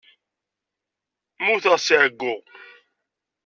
Mmuteɣ s ɛeyyu.